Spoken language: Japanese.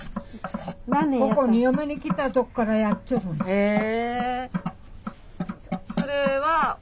へえ！